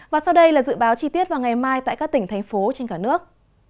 và sau đây là dự báo chi tiết vào ngày mai tại các tỉnh thành phố trên cả nước